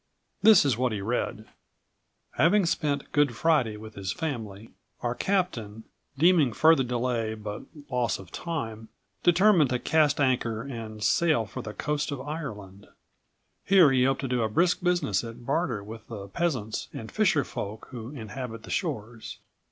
This is what he read: "Having spent Good Friday with his family, our captain, deeming further delay but loss of time, determined to cast anchor and sail for the coast of Ireland. Here he hoped to do a brisk business at barter with the peasants and fisher folk who inhabit the shores.